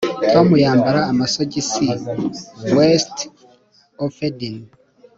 Tom yambara amasogisi WestofEden